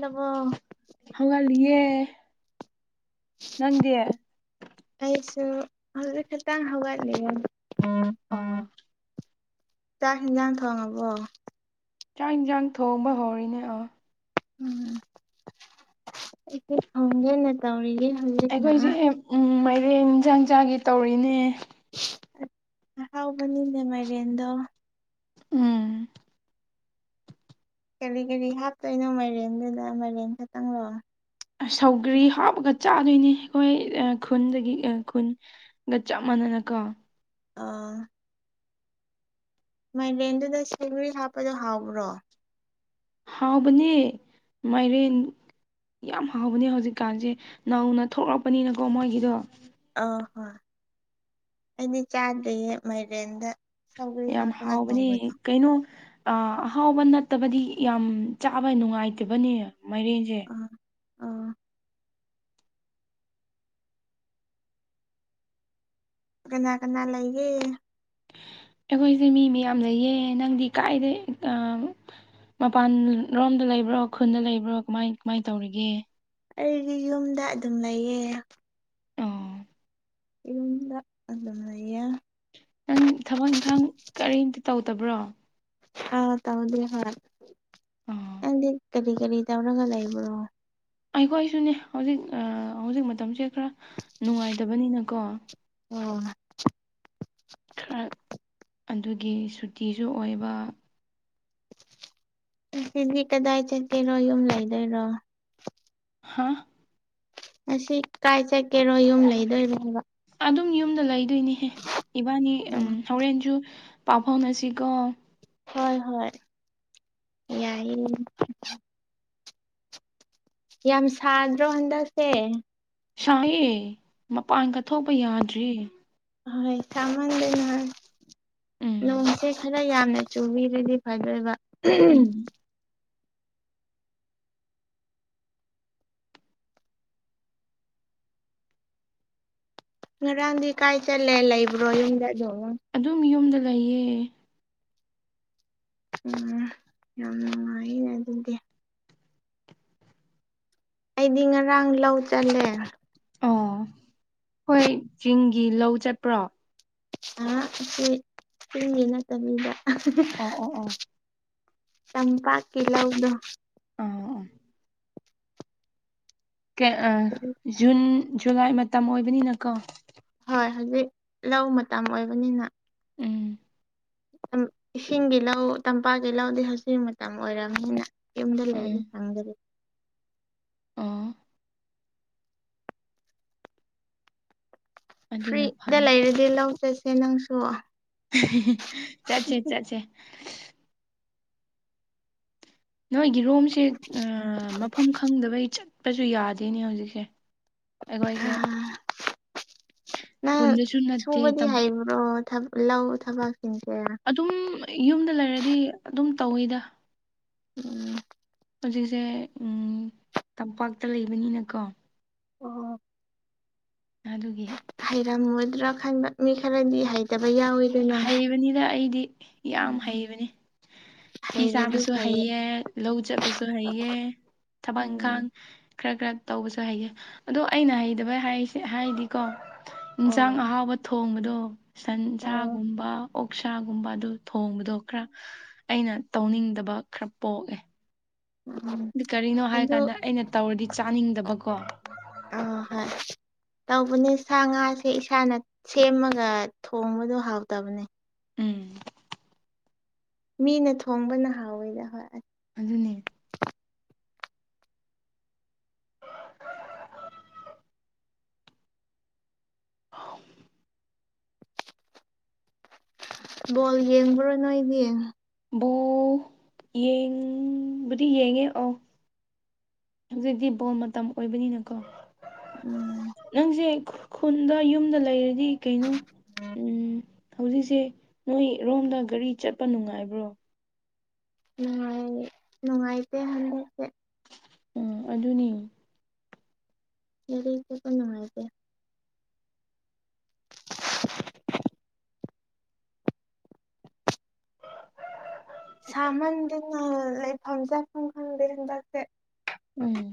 ꯂꯕꯣ ꯍꯋꯥꯂꯤꯌꯦ ꯅꯪꯗꯦ ꯑꯩꯁꯨ ꯍꯧꯖꯤꯛ ꯈꯇꯪ ꯍꯧꯒꯠꯂꯤꯌꯦ ꯑꯣ ꯆꯥꯛ ꯍꯥꯟꯖꯥꯡ ꯊꯣꯡ ꯑꯕꯣ ꯆꯥꯛ ꯌꯦꯟꯁꯥꯡ ꯊꯣꯡꯕ ꯍꯧꯔꯤꯅꯦ ꯑꯣ ꯎꯝ [unintelligible] ꯇꯧꯔꯤꯒꯦ ꯍꯧꯖꯤꯛ ꯑꯩꯈꯣꯏꯁꯦ ꯑꯦ ꯃꯥꯏꯔꯦꯟ ꯏꯟꯁꯥꯡ ꯆꯥꯒꯦ ꯇꯧꯔꯤꯅꯦ ꯑꯍꯥꯎꯕꯅꯤꯅꯦ ꯃꯥꯏꯔꯦꯟꯗꯣ ꯎꯝ ꯀꯔꯤ ꯀꯔꯤ ꯍꯥꯞꯇꯣꯏꯅꯣ ꯃꯥꯏꯔꯦꯟꯗꯨꯗ ꯃꯥꯏꯔꯦꯟ ꯈꯛꯇꯪ ꯂꯣ ꯁꯧꯒ꯭ꯔꯤ ꯍꯥꯞꯄꯒ ꯆꯥꯗꯣꯏꯅꯤ ꯑꯩꯈꯣꯏ ꯈꯨꯟꯗꯒꯤ ꯈꯨꯟ ꯒ ꯆꯞ ꯃꯥꯟꯅꯅ ꯀꯣ ꯑꯥ ꯃꯥꯏꯔꯦꯟꯗꯨꯗ ꯁꯧꯒ꯭ꯔꯤ ꯍꯥꯞꯄꯗꯣ ꯍꯥꯎꯕ꯭ꯔꯣ ꯍꯥꯎꯕꯅꯦ ꯃꯥꯏꯔꯦꯟ ꯌꯥꯝ ꯍꯥꯎꯕꯅꯦ ꯍꯧꯖꯤꯛꯀꯥꯟꯁꯦ ꯅꯧꯅ ꯊꯣꯛꯂꯛꯄꯅꯤꯅꯀꯣ ꯃꯣꯏꯒꯤꯗꯣ ꯑꯧ ꯍꯣꯏ ꯑꯩꯗꯤ ꯆꯥꯗ꯭ꯔꯤꯌꯦ ꯃꯥꯏꯔꯦꯟꯗ ꯁꯧꯒ꯭ꯔꯤ ꯌꯥꯝ ꯍꯥꯞꯄꯒ ꯍꯥꯎꯕꯅꯦ ꯊꯣꯡꯕꯗꯣ ꯀꯩꯅꯣ ꯑꯥ ꯑꯍꯥꯎꯕ ꯅꯠꯇꯕꯗꯤ ꯌꯥꯝ ꯆꯥꯕ ꯅꯨꯡꯉꯥꯏꯇꯕꯅꯦ ꯃꯥꯏꯔꯦꯟꯁꯦ ꯑꯥ ꯑꯣ ꯀꯅꯥ ꯀꯅꯥ ꯂꯩꯒꯦ ꯑꯩꯈꯣꯏꯁꯦ ꯃꯤ ꯃꯌꯥꯝ ꯂꯩꯌꯦ ꯅꯪꯗꯤ ꯀꯥꯏꯗꯩ ꯑꯥ ꯃꯄꯥꯟ ꯂꯣꯝꯗ ꯂꯩꯕ꯭ꯔꯣ ꯈꯨꯟꯗ ꯂꯩꯕ꯭ꯔꯣ ꯀꯃꯥꯏ ꯀꯃꯥꯏꯅ ꯇꯧꯔꯤꯒꯦ ꯑꯩꯒꯤ ꯌꯨꯝꯗ ꯑꯗꯨꯝ ꯂꯩꯌꯦ ꯑꯣ ꯌꯨꯝꯗ ꯑꯗꯨꯝ ꯂꯩꯌꯦ ꯅꯪ ꯊꯕꯛ ꯏꯪꯈꯥꯡ ꯀꯔꯤꯝꯇ ꯇꯧꯗꯕ꯭ꯔꯣ ꯑꯥ ꯇꯧꯗꯦ ꯍꯣꯏ ꯑꯣ ꯅꯪꯗꯤ ꯀꯔꯤ ꯀꯔꯤ ꯇꯧꯔꯒ ꯂꯩꯕ꯭ꯔꯣ ꯑꯩꯈꯣꯏꯁꯨꯅꯤ ꯍꯧꯖꯤꯛ ꯑꯥ ꯍꯧꯖꯤꯛ ꯃꯇꯝꯁꯦ ꯈꯔ ꯅꯨꯡꯉꯥꯏꯇꯕꯅꯤꯅꯀꯣ ꯎꯝ ꯈꯔ ꯑꯗꯨꯒꯤ ꯁꯨꯇꯤꯁꯨ ꯑꯣꯏꯕ ꯉꯁꯤꯗꯤ ꯀꯗꯥꯏ ꯆꯠꯀꯦꯔꯣ ꯌꯨꯝ ꯂꯩꯗꯣꯏꯔꯣ ꯍꯥꯥ ꯉꯁꯤ ꯀꯥꯏ ꯆꯠꯀꯦꯔꯣ ꯌꯨꯝ ꯂꯩꯗꯣꯏꯔꯣ ꯍꯥꯏꯕ ꯑꯗꯨꯝ ꯌꯨꯝꯗ ꯂꯩꯗꯣꯏꯅꯤꯍꯦ ꯏꯕꯥꯅꯤ ꯎꯝ ꯍꯥꯏꯕ ꯍꯣꯔꯦꯟꯁꯨ ꯄꯥꯎ ꯐꯥꯎꯅꯁꯤꯀꯣ ꯍꯣꯏ ꯍꯣꯏ ꯌꯥꯏꯌꯦ ꯌꯥꯝ ꯁꯥꯗ꯭ꯔꯣ ꯍꯟꯗꯛꯁꯦ ꯁꯥꯏꯌꯦ ꯃꯄꯥꯟꯀ ꯊꯣꯛꯄ ꯌꯥꯗ꯭ꯔꯦ ꯍꯣꯏ ꯁꯥꯃꯟꯗꯥꯅ ꯎꯝ ꯅꯣꯡꯁꯦ ꯈꯔ ꯌꯥꯝꯅ ꯆꯨꯕꯤꯔꯗꯤ ꯐꯗꯣꯏꯕ ꯎꯝ ꯉꯔꯥꯡꯗꯤ ꯀꯥꯏ ꯆꯠꯂꯦ ꯂꯩꯕ꯭ꯔꯣ ꯌꯨꯝꯗ ꯑꯗꯨꯝ ꯑꯗꯨꯝ ꯌꯨꯝꯗ ꯂꯩꯌꯦ ꯎꯝ ꯌꯥꯝ ꯅꯨꯡꯉꯥꯏꯅꯦ ꯑꯗꯨꯗꯤ ꯑꯩꯗꯤ ꯉꯔꯥꯡ ꯂꯧ ꯆꯜꯂꯦ ꯑꯣ ꯍꯣꯏ ꯆꯤꯡꯒꯤ ꯂꯧ ꯆꯠꯄ꯭ꯔꯣ [unintelligible] ꯑ ꯁꯤ ꯁꯤꯒꯤ ꯅꯠꯇꯕꯤꯗ ꯑꯣ ꯑꯣ ꯑꯣ ꯇꯝꯄꯥꯛꯀꯤ ꯂꯧꯗꯣ ꯑꯥ ꯑꯧ ꯀꯩ ꯑꯥ ꯖꯨꯟ ꯖꯨꯂꯥꯏ ꯃꯇꯝ ꯑꯣꯏꯕꯅꯤꯅꯀꯣ ꯍꯣꯏ ꯍꯧꯖꯤꯛ ꯂꯧ ꯃꯇꯝ ꯑꯣꯏꯕꯅꯤꯅ ꯎꯝ ꯏꯁꯤꯡꯒꯤ ꯂꯧ ꯇꯝꯄꯥꯛꯀꯤ ꯂꯧꯗꯤ ꯍꯧꯖꯤꯛ ꯃꯇꯝ ꯑꯣꯏꯔꯝꯅꯤꯅ ꯌꯨꯝꯗ ꯂꯩ ꯎꯝ [unintelligible] ꯑꯣ ꯑꯗꯨꯅ ꯐ꯭ꯔꯤꯗ ꯐꯩꯌꯦ ꯂꯩꯔꯗꯤ ꯂꯧ ꯆꯠꯁꯦ ꯅꯪꯁꯨ ꯆꯠꯁꯦ ꯆꯠꯁꯦ ꯅꯣꯏꯒꯤꯔꯣꯝꯁꯦ ꯃꯐꯝ ꯈꯪꯗꯕꯩ ꯆꯠꯄꯁꯨ ꯌꯥꯗꯦꯅꯦ ꯍꯧꯖꯤꯛꯁꯦ ꯑꯩꯈꯣꯏꯁꯦ ꯈꯨꯟꯗꯁꯨ ꯅꯠꯇꯦ ꯑꯣ ꯊ ꯂꯎ ꯊꯕ ꯆꯇꯦ ꯑꯗꯨꯝ ꯌꯨꯝꯗ ꯂꯩꯔꯗꯤ ꯑꯗꯨꯝ ꯇꯧꯋꯤꯗ ꯎꯝ [unintelligible] ꯍꯧꯖꯤꯛꯁꯦ ꯇꯝꯄꯥꯛꯇ ꯂꯩꯕꯅꯤꯅꯀꯣ ꯑꯗꯨꯒꯤ ꯍꯩꯔꯝꯃꯣꯏꯗ꯭ꯔꯥ ꯈꯟꯕ ꯃꯤ ꯈꯔꯗꯤ ꯍꯩꯇꯕ ꯌꯥꯎꯋ ꯍꯩꯕꯅꯤꯗ ꯑꯩꯗꯤ ꯌꯥꯝ ꯎꯝ ꯍꯩꯕꯅꯤ ꯐꯤ ꯍꯩꯔꯗꯤ ꯁꯥꯕꯁꯨ ꯐꯩꯌꯦ ꯍꯩꯌꯦ ꯂꯧ ꯆꯠꯄꯁꯨ ꯍꯩꯌꯦ ꯊꯕꯛ ꯎꯝ ꯏꯪꯈꯥꯡ ꯈꯔ ꯈꯔ ꯇꯧꯕꯁꯨ ꯍꯩꯒꯦ ꯑꯗꯣ ꯑꯩꯅ ꯍꯩꯇꯕꯁꯦ ꯍꯥꯏꯗꯤꯀꯣ ꯑꯥ ꯏꯟꯁꯥꯡ ꯑꯍꯥꯎꯕ ꯊꯣꯡꯕꯗꯣ ꯁꯟꯁ ꯑꯣ ꯑꯣꯛꯁꯥꯒꯨꯝꯕ ꯑꯗꯨ ꯊꯣꯡꯕꯗꯣ ꯈꯔ ꯑꯩꯅ ꯇꯧꯅꯤꯡꯗꯕ ꯈꯔ ꯄꯣꯛꯑꯦ ꯎꯝ ꯑꯗꯨ ꯀꯔꯤꯅꯣ ꯑꯗꯨ ꯍꯥꯏꯀꯥꯟꯗ ꯑꯩꯅ ꯇꯧꯔꯗꯤ ꯆꯥꯅꯤꯡꯗꯕꯀꯣ ꯑꯥ ꯍꯣꯏ ꯇꯧꯕꯅꯦ ꯁꯥ ꯉꯥꯁꯦ ꯏꯁꯥꯅ ꯁꯦꯝꯃꯒ ꯊꯣꯡꯕꯗꯣ ꯍꯥꯎꯇꯕꯅꯦ ꯎꯝ ꯃꯤꯅ ꯊꯣꯡꯕꯅ ꯍꯥꯎꯋꯤꯗ ꯍꯣꯏ ꯑꯁ ꯑꯗꯨꯅꯦ ꯍꯥꯎꯝ ꯕꯣꯜ ꯌꯦꯡꯕ꯭ꯔꯣ ꯅꯣꯏꯗꯤ ꯕꯣ ꯌꯦꯡꯕꯨꯗꯤ ꯌꯦꯡꯉꯦ ꯑꯣ ꯍꯧꯖꯤꯛꯇꯤ ꯕꯣꯜ ꯃꯇꯝ ꯑꯣꯏꯕꯅꯤꯅꯀꯣ ꯎꯝ ꯅꯪꯁꯦ ꯈꯨꯟꯗ ꯌꯨꯝꯗ ꯂꯩꯔꯗꯤ ꯀꯩꯅꯣ ꯎꯝ ꯍꯧꯖꯤꯛꯁꯦ ꯅꯣꯏꯔꯣꯝꯗ ꯒꯥꯔꯤ ꯆꯠꯄ ꯅꯨꯡꯉꯥꯏꯕ꯭ꯔꯣ ꯅꯨꯡꯉꯥꯏ ꯅꯨꯡꯉꯥꯏꯇ ꯍꯥꯟꯗ ꯁꯦ ꯎꯝ ꯑꯗꯨꯅꯤ ꯌꯔꯤꯄ ꯅꯨꯡꯉꯥꯏꯁꯦ ꯁꯥꯃꯟꯗꯅ ꯂꯩꯐꯝ ꯆꯥꯐꯝ ꯈꯪꯗꯦ ꯍꯟꯗꯛꯇꯤ ꯎꯝ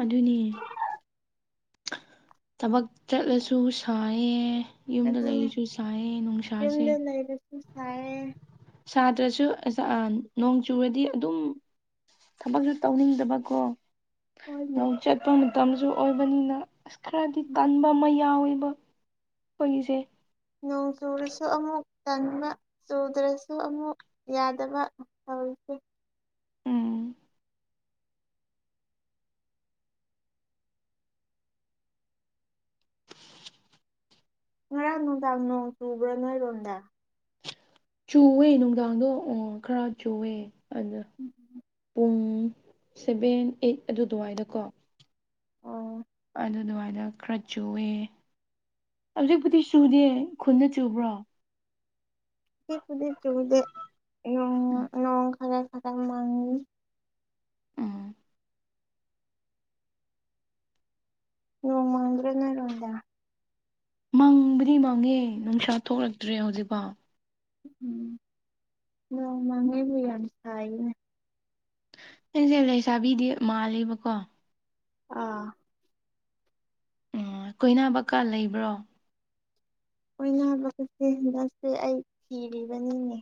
ꯑꯗꯨꯅꯤ ꯊꯕꯛ ꯆꯠꯂꯁꯨ ꯁꯥꯏꯌꯦ ꯌꯨꯝꯗ ꯂꯩꯔꯤꯁꯨ ꯁꯥꯏꯌꯦ ꯅꯨꯡꯁꯥꯁꯦ ꯂꯩꯔꯁꯨ ꯁꯥꯏꯌꯦ ꯁꯥꯇ꯭ꯔꯁꯨ ꯅꯣꯡ ꯆꯨꯔꯗꯤ ꯑꯗꯨꯝ ꯊꯕꯛꯁꯨ ꯇꯧꯅꯤꯡꯗꯕꯀꯣ ꯍꯣꯏꯅꯦ ꯂꯧ ꯆꯠꯄ ꯃꯇꯝꯁꯨ ꯑꯣꯏꯕꯅꯤꯅ ꯑꯁ ꯈꯔꯗꯤ ꯇꯟꯕ ꯃꯩ ꯌꯥꯎꯔꯤꯕ ꯑꯈꯣꯏꯒꯤꯁꯦ ꯅꯣꯡ ꯆꯨꯨꯔꯁꯨ ꯑꯃꯨꯛ ꯇꯟꯕ ꯆꯨꯗ꯭ꯔꯁꯨ ꯑꯃꯨꯛ ꯌꯥꯗꯕ ꯇꯧꯔꯤꯁꯦ ꯎꯝ ꯉꯔꯥꯡ ꯅꯨꯡꯗꯥꯡ ꯅꯣꯡ ꯆꯨꯕ꯭ꯔꯥ ꯅꯣꯏꯔꯣꯝꯗ ꯆꯨꯑꯦ ꯅꯨꯡꯗꯥꯡꯗꯣ ꯑꯣ ꯈꯔ ꯆꯨꯑꯦ ꯑꯗꯨꯗ ꯎꯝ ꯎꯝ ꯄꯨꯡ ꯁꯚꯦꯟ ꯑꯥꯏꯠ ꯑꯗꯨ ꯑꯗꯨꯋꯥꯏꯗꯀꯣ ꯑꯣ ꯑꯗꯨ ꯑꯗꯨꯋꯥꯥꯏꯗ ꯈꯔ ꯆꯨꯑꯦ ꯍꯧꯖꯤꯛꯄꯨꯗꯤ ꯆꯨꯗꯦ ꯈꯨꯟꯗ ꯆꯨꯕ꯭ꯔꯣ ꯀ ꯈꯨꯗꯤ ꯆꯨꯗꯦꯣꯡ ꯎꯝ ꯅꯣꯡ ꯈꯔ ꯈꯔ ꯃꯥꯡꯅꯤ ꯎꯝ ꯅꯣꯡꯃꯪꯗ꯭ꯔꯣ ꯅꯣꯏꯔꯣꯝꯗ ꯃꯪꯕꯨꯗꯤ ꯃꯪꯉꯦ ꯅꯨꯡꯁꯥ ꯊꯣꯛꯂꯛꯇ꯭ꯔꯦ ꯍꯧꯖꯤꯛꯐꯥꯎ ꯎꯝ ꯅꯣꯡ ꯃꯪꯉꯦꯅꯦ ꯌꯥꯝ ꯁꯥꯏꯅꯦ ꯑꯩꯁꯦ ꯂꯩꯁꯥꯕꯤꯗꯤ ꯃꯥꯜꯂꯤꯕꯀꯣ ꯑꯥ ꯎ ꯀꯣꯏꯅꯥꯕꯀꯥ ꯂꯩꯕ꯭ꯔꯣ ꯑꯣꯏꯅꯕꯒꯁꯦ ꯍꯟꯗꯛꯁꯦ ꯑꯩ ꯊꯤꯔꯤꯕꯅꯤꯅꯦ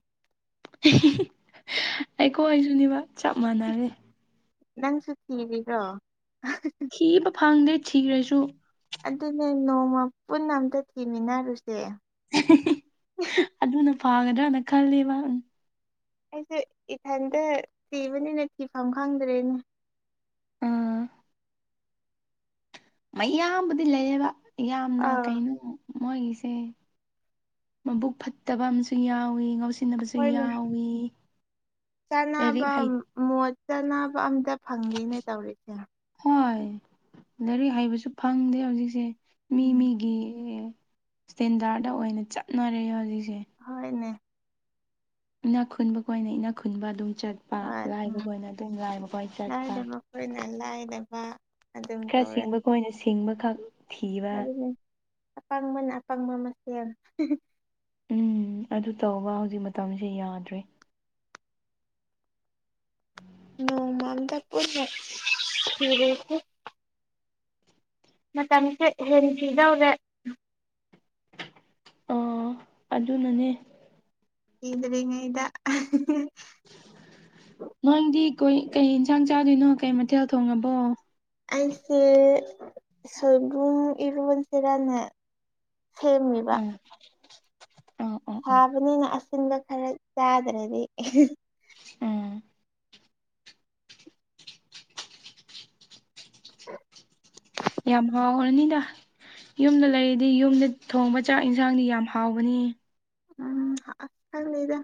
ꯑꯩꯈꯣꯏꯁꯨꯅꯦꯕ ꯆꯞ ꯃꯥꯟꯅꯔꯦ ꯅꯪꯁꯨ ꯀꯤꯔꯤꯕ꯭ꯔꯣ ꯀꯤꯕ ꯐꯪꯗ꯭ꯔꯦ ꯊꯤꯈ꯭ꯔꯁꯨ ꯑꯗꯨꯅꯦ ꯅꯣꯡꯃ ꯄꯨꯟꯅ ꯑꯝꯇ ꯊꯤꯃꯤꯟꯅꯔꯨꯁꯦ ꯑꯗꯨꯅ ꯐꯥꯒꯗ꯭ꯔꯅ ꯈꯜꯂꯤꯕ ꯑꯩꯁꯨ ꯏꯊꯟꯇ ꯊꯤꯕꯅꯤꯅꯦ ꯊꯤꯐꯝ ꯈꯪꯗ꯭ꯔꯦꯅꯦ ꯑꯥ ꯃꯌꯥꯝꯕꯨꯗꯤ ꯂꯩꯌꯦꯕ ꯌꯥꯝꯅ ꯑꯥ ꯀꯩꯅꯣ ꯃꯣꯏꯒꯤꯁꯦ ꯃꯕꯨꯛ ꯐꯠꯇꯕ ꯑꯃꯁꯝꯨ ꯌꯥꯎꯋꯤ ꯉꯁꯤ ꯁꯤꯖꯤꯟꯅꯕꯁꯨ ꯍꯣꯏꯅꯦ ꯌꯥꯎꯋꯤ ꯂꯥꯏꯔꯤꯛ ꯆꯥꯅꯕ ꯍꯩ ꯃꯣꯠ ꯆꯥꯟꯅꯕ ꯑꯝꯇ ꯐꯪꯗꯦꯅꯦ ꯇꯧꯔꯤꯁꯦ ꯍꯣꯏ ꯂꯥꯏꯔꯤꯛ ꯍꯩꯕꯁꯨ ꯐꯪꯗꯦ ꯍꯧꯖꯤꯛꯁꯦ ꯃꯤ ꯎꯝ ꯃꯤꯒꯤ ꯏꯁꯇꯦꯟꯗꯥꯔꯗ ꯑꯣꯏꯅ ꯆꯠꯅꯔꯦ ꯍꯧꯖꯤꯛꯁꯦ ꯍꯣꯏꯅꯦ ꯏꯅꯥꯛ ꯈꯨꯟꯕ ꯈꯣꯏꯅ ꯏꯅꯥꯛ ꯈꯨꯟꯕ ꯑꯗꯨꯝ ꯆꯠꯄ ꯍꯣꯏ ꯂꯥꯏꯔꯕ ꯈꯣꯏꯅ ꯑꯗꯨꯝ ꯂꯥꯏꯔꯕ ꯈꯣꯏꯅ ꯆꯠꯄ ꯑꯩꯈꯣꯏꯅ ꯂꯥꯏꯔꯕꯥ ꯈꯔ ꯁꯤꯡꯕ ꯈꯣꯏꯅ ꯁꯤꯡꯕ ꯈꯛ ꯊꯤꯕ ꯑꯗꯨꯗꯤ ꯑꯄꯪꯕꯅ ꯑꯄꯪꯕ ꯃꯁꯦꯜ ꯎꯝ ꯑꯗꯨ ꯇꯧꯕ ꯍꯧꯖꯤꯛ ꯃꯇꯝꯁꯦ ꯌꯥꯗ꯭ꯔꯦ ꯅꯣꯡꯃ ꯑꯝꯇ ꯄꯨꯟꯅ ꯃꯇꯝꯁꯦ ꯍꯦꯟ ꯊꯤꯗꯧꯔꯦ ꯑꯥ ꯑꯗꯨꯅꯅꯦ ꯏ꯭ꯔꯦꯉ ꯏꯗ ꯅꯣꯏꯗꯤ ꯀꯣꯏ ꯀꯩ ꯌꯦꯟꯁꯥꯡ ꯆꯥꯗꯣꯏꯅꯣ ꯀꯩ ꯃꯊꯦꯜ ꯊꯣꯡꯉꯕꯣ ꯑꯩꯁꯦ ꯁꯣꯏꯕꯨꯡ ꯏꯔꯣꯟ ꯁꯦꯔꯥꯅ ꯁꯦꯝꯃꯤꯕ ꯑꯥ ꯑꯥ ꯑꯥ ꯁꯥꯕꯅꯤꯅ ꯍꯟꯗꯛ ꯈꯔꯥ ꯆꯥꯗꯔꯗꯤ ꯎꯝ ꯌꯥꯝ ꯍꯥꯎꯔꯅꯤꯗ ꯌꯨꯝꯗ ꯂꯩꯔꯗꯤ ꯌꯨꯝꯗ ꯊꯣꯡꯕ ꯆꯥꯛ ꯏꯟꯁꯥꯡꯗꯤ ꯌꯥꯝ ꯍꯥꯎꯕꯅꯤ ꯎꯝ ꯑꯍ ꯈꯪꯗꯦꯗꯗ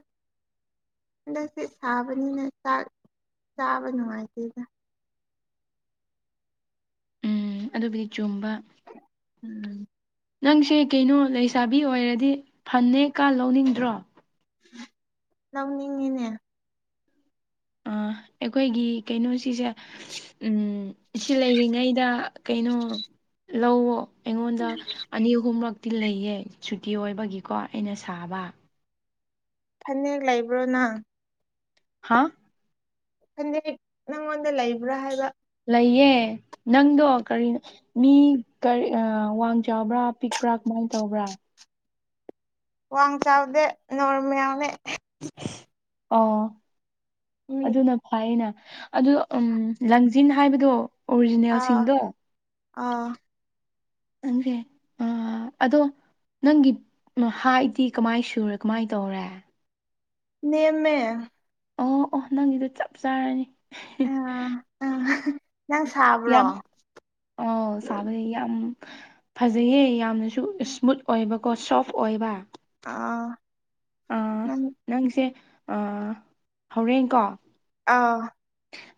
ꯍꯟꯗꯛꯁꯦ ꯁꯥꯕꯅꯤꯅ ꯆꯥꯛ ꯆꯥꯕ ꯅꯨꯡꯉꯥꯏꯇꯦꯗ ꯑꯝ ꯑꯗꯨꯕꯨꯗꯤ ꯆꯨꯝꯕ ꯎꯝ ꯅꯪꯁꯦ ꯀꯩꯅꯣ ꯂꯩꯁꯥꯕꯤ ꯑꯣꯏꯔꯗꯤ ꯐꯟꯅꯦ ꯀꯥ ꯂꯧꯅꯤꯡꯗ꯭ꯔꯣ ꯂꯧꯅꯤꯡꯉꯤꯅꯦ ꯑ ꯑꯩꯈꯣꯏꯒꯤ ꯀꯩꯅꯣꯁꯤꯁꯦ ꯎꯝ ꯁꯤ ꯂꯩꯔꯤꯉꯩꯗ ꯀꯩꯅꯣ ꯂꯧꯋꯣ ꯑꯩꯉꯣꯟꯗ ꯑꯅꯤ ꯑꯍꯨꯝꯔꯛꯇꯤ ꯂꯩꯌꯦ ꯁꯨꯇꯤ ꯑꯣꯏꯕꯒꯤꯀꯣ ꯑꯩꯅ ꯁꯥꯕ ꯐꯅꯦꯛ ꯂꯩꯕ꯭ꯔꯣ ꯅꯪ ꯍꯥꯥ ꯐꯅꯦꯛ ꯅꯉꯣꯟꯗ ꯂꯩꯕ꯭ꯔꯥ ꯍꯥꯏꯕ ꯂꯩꯌꯦ ꯅꯪꯗꯣ ꯀꯔꯤꯅꯣ ꯃꯤ ꯀꯔꯤ ꯋꯥꯡ ꯆꯥꯎꯕ꯭ꯔꯥ ꯄꯤꯛꯄ꯭ꯔꯥ ꯀꯃꯥꯏ ꯇꯧꯕ꯭ꯔꯥ ꯋꯥꯡ ꯆꯥꯎꯗꯦ ꯅꯣꯔꯝ ꯌꯥꯎꯅꯦ ꯑꯣ ꯑꯗꯨꯅ ꯐꯥꯏꯅ ꯑꯗꯨ ꯎꯝ ꯂꯟꯖꯤꯟ ꯍꯥꯏꯕꯗꯣ ꯑꯣꯔꯤꯖꯤꯅꯦꯜ ꯑꯥ ꯁꯤꯡꯗꯣ ꯑꯥ ꯅꯪꯖꯦ ꯑꯥ ꯑꯗꯣ ꯅꯪꯒꯤ ꯍꯥꯏꯗꯤ ꯀꯃꯥꯏ ꯁꯨꯔꯦ ꯀꯃꯥꯏ ꯇꯧꯔꯦ ꯅꯦꯝꯃꯦ ꯑꯣ ꯑꯣ ꯅꯪꯒꯤꯗꯣ ꯆꯞ ꯆꯥꯔꯅꯤ ꯎꯝ ꯎꯝ ꯅꯪ ꯁꯥꯕ꯭ꯔꯣ ꯑꯣ ꯁꯥꯕ ꯌꯥꯝ ꯐꯖꯩꯌꯦ ꯌꯥꯝꯅꯁꯨ ꯏꯁꯃꯨꯠ ꯑꯣꯏꯕꯀꯣ ꯁꯣꯐ ꯑꯣꯏꯕ ꯑ ꯑꯥ ꯅꯪ ꯅꯪꯁꯦ ꯍꯣꯔꯦꯟꯀꯣ ꯑꯥ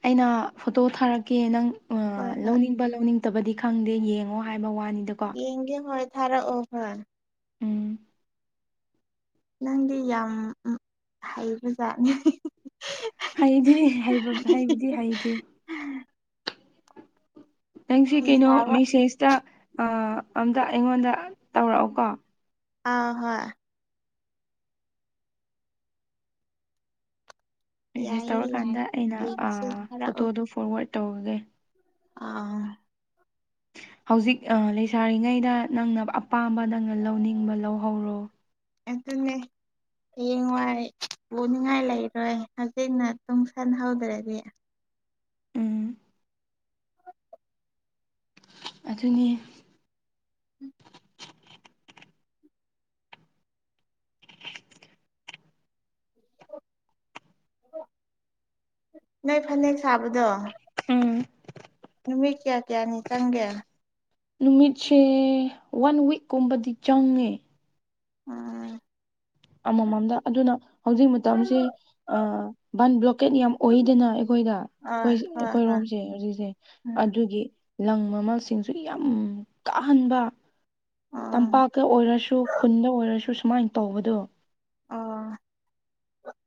ꯑꯩꯅ ꯐꯣꯇꯣ ꯊꯥꯔꯛꯀꯦ ꯅꯪ ꯍꯣꯏ ꯍꯣꯏ ꯂꯧꯅꯤꯡ ꯂꯧꯅꯤꯡꯗꯕꯗꯤ ꯈꯪꯗꯦ ꯌꯦꯡꯉꯣ ꯍꯥꯏꯕ ꯋꯥꯅꯤꯗꯀꯣ ꯌꯦꯡꯒꯦ ꯍꯣꯏ ꯊꯥꯔꯛꯑꯣ ꯈꯔ ꯎꯝ ꯅꯪꯗꯤ ꯌꯥꯝ ꯍꯩꯕꯖꯥꯠꯅꯤ ꯍꯩꯗꯤ ꯍꯕ ꯍꯩꯕꯗꯤ ꯍꯩꯗꯤꯦ ꯅꯪꯁꯤ ꯐꯤ ꯀꯩꯅꯣ ꯁꯥꯕ ꯃꯦꯁꯦꯖꯇ ꯑꯝꯇ ꯑꯩꯉꯣꯟꯗ ꯇꯧꯔꯛꯑꯣ ꯀꯣ ꯑ ꯍꯣꯏ ꯃꯦꯁꯦꯁ ꯌꯥꯏꯌꯦ ꯌꯥꯏ ꯇꯧꯔꯀꯥꯟꯗ ꯑꯩꯅ ꯌꯦꯡꯁꯤ ꯊꯥꯔꯛꯑꯣ ꯐꯣꯇꯣꯗꯣ ꯐꯣꯔꯋꯥꯔꯗ ꯇꯧꯔꯒꯦ ꯑꯥ ꯍꯧꯖꯤꯛ ꯂꯩꯁꯥꯔꯤꯉꯩꯗ ꯅꯪꯅ ꯑꯄꯥꯝꯕ ꯅꯪꯅ ꯂꯧꯅꯤꯡꯕ ꯂꯧꯍꯧꯔꯣ ꯑꯗꯨꯅꯦ ꯍꯌꯦꯡꯋꯥꯏ ꯄꯨꯅꯤꯡꯉꯥꯏ ꯂꯩꯔꯣꯏ ꯍꯧꯖꯤꯛꯅ ꯇꯨꯡ ꯁꯟꯍꯧꯗ꯭ꯔꯗꯤ ꯎꯝ ꯑꯗꯨꯅꯤ ꯅꯣꯏ ꯐꯅꯦꯛ ꯁꯥꯕꯗꯣ ꯎꯝ ꯅꯨꯃꯤꯠ ꯀꯌꯥ ꯀꯌꯥꯅꯤ ꯆꯪꯒꯦ ꯅꯨꯃꯤꯠꯁꯦ ꯋꯥꯟ ꯋꯤꯛꯀꯨꯝꯕꯗꯤ ꯆꯪꯉꯦ ꯎꯝ ꯑꯃꯃꯝꯗ ꯑꯗꯨꯅ ꯍꯧꯖꯤꯛ ꯑ ꯃꯇꯝꯁꯤ ꯑ ꯕꯟ ꯕ꯭ꯂꯣꯀꯦꯠ ꯌꯥꯝ ꯑꯣꯏꯗꯅ ꯑꯩꯈꯣꯏꯗ ꯍꯣꯏ ꯍꯣꯏ ꯑꯩꯈꯣꯏꯔꯣꯝꯁꯦ ꯍꯧꯖꯤꯛꯁꯦ ꯎꯝ ꯑꯗꯨꯒꯤ ꯂꯪ ꯃꯃꯜꯁꯤꯡꯁꯨ ꯌꯥꯝ ꯇꯥꯍꯟꯕ ꯑꯣ ꯇꯝꯄꯥꯛꯀ ꯑꯣꯏꯔꯁꯨ ꯈꯨꯟꯗ ꯑꯣꯏꯔꯁꯨ ꯁꯨꯃꯥꯏꯅ ꯇꯧꯕꯗꯣ ꯑꯥ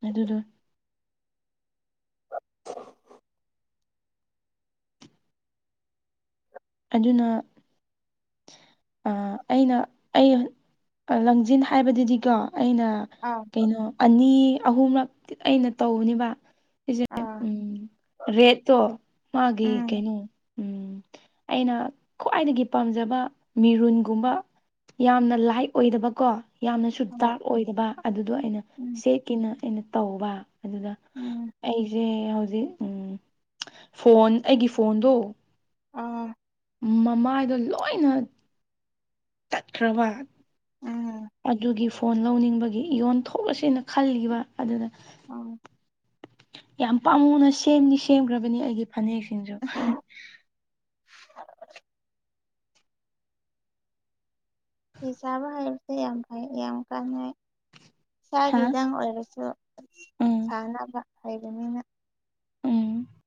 ꯑꯗꯨꯗꯣ INAUDIBLE ꯑꯗꯨꯅ ꯑꯩꯅ ꯑꯩ ꯂꯪꯖꯟ ꯍꯥꯏꯕꯗꯨꯗꯤꯀꯣ ꯑꯩꯅ ꯑꯥ ꯀꯩꯅꯣ ꯑꯅꯤ ꯑꯍꯨꯝꯂꯛꯇꯤ ꯑꯩꯅ ꯇꯧꯕꯅꯦꯕ ꯁꯤꯁꯦ ꯑꯥ ꯎꯝ ꯔꯦꯠꯇꯣ ꯃꯥꯒꯤ ꯎꯝ ꯀꯩꯅꯣ ꯎꯝ ꯑꯩꯅ ꯈ꯭ꯋꯥꯏꯗꯒꯤ ꯄꯥꯝꯖꯕ ꯃꯤꯔꯨꯟꯒꯨꯝꯕ ꯌꯥꯝꯅ ꯂꯥꯏꯗ ꯑꯣꯏꯗꯕꯀꯣ ꯌꯥꯝꯅꯁꯨ ꯍꯣꯏ ꯗꯥꯛꯛ ꯑꯣꯏꯗꯕ ꯑꯗꯨꯗꯣ ꯑꯩꯅ ꯎꯝ ꯁꯦꯠꯀꯤꯦꯅ ꯑꯩꯅ ꯇꯧꯕ ꯑꯗꯨꯗ ꯎꯝ ꯑꯩꯁꯦ ꯍꯧꯖꯤꯛ ꯎ ꯐꯣꯟ ꯑꯩꯒꯤ ꯐꯣꯟꯗꯣ ꯑꯝ ꯃꯃꯥꯏꯗ ꯂꯣꯏꯅ ꯇꯠꯈ꯭ꯔꯕ ꯎꯝ ꯑꯗꯨꯒꯤ ꯐꯣꯟ ꯂꯧꯅꯤꯡꯕꯒꯤ ꯏꯣꯟ ꯊꯣꯛꯂꯁꯦꯅ ꯈꯜꯂꯤꯕ ꯑꯗꯨꯗ ꯎꯝ ꯌꯥꯝ ꯄꯥꯝꯅ ꯁꯦꯝꯅꯤ ꯁꯦꯝꯈ꯭ꯔꯕꯅꯤ ꯑꯩꯒꯤ ꯐꯅꯦꯛꯁꯤꯡꯁꯨ [inaudible] ꯐꯤ ꯁꯥꯕ ꯍꯥꯏꯕꯁꯦ ꯌꯥꯝ ꯐꯩ ꯌꯥꯝ ꯀꯥꯟꯅꯩ ꯍꯥ ꯏꯁꯥꯒꯤꯗꯪ ꯑꯣꯏꯔꯁꯨ ꯎꯝ ꯁꯥꯅꯕ ꯍꯥꯏꯕꯅꯤꯅ ꯎꯝ